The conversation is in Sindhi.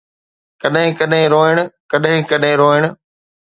ڪڏھن ڪڏھن روئڻ، ڪڏھن ڪڏھن روئڻ